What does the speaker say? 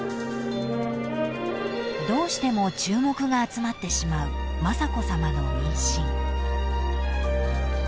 ［どうしても注目が集まってしまう雅子さまの妊娠］